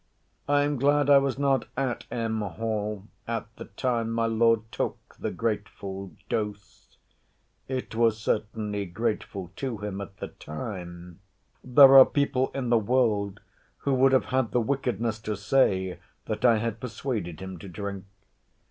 I am glad I was not at M. Hall, at the time my Lord took the grateful dose: [it was certainly grateful to him at the time:] there are people in the world, who would have had the wickedness to say, that I had persuaded him to drink.